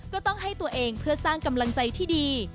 ก็ต้องให้ตัวเองเพื่อสร้างกำลังใจที่ดี